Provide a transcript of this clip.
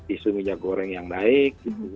isu minyak goreng yang baik